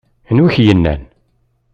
Anwa ay ak-yennan?